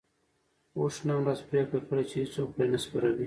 اوښ نن ورځ پرېکړه کړې چې هيڅوک پرې نه سپروي.